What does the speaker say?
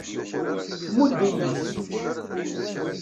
Tmudd-iyi-tt.